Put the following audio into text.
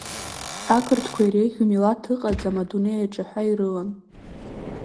Ақырҭқәа иреиӷьу милаҭ ыҟаӡам адунеи аҿы, ҳәа ирылан.